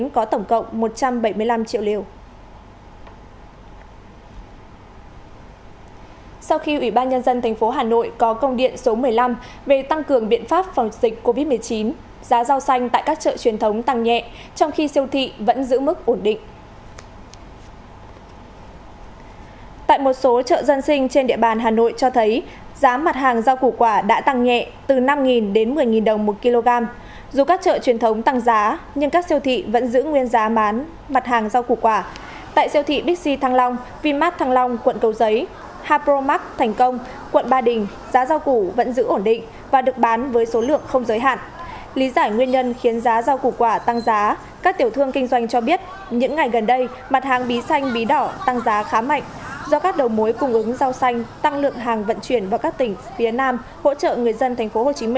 các bạn biết những ngày gần đây mặt hàng bí xanh bí đỏ tăng giá khá mạnh do các đầu mối cung ứng rau xanh tăng lượng hàng vận chuyển vào các tỉnh phía nam hỗ trợ người dân tp hcm